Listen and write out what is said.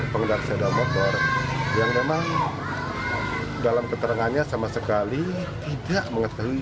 pengendara sepeda motor yang memang dalam keterangannya sama sekali tidak mengetahui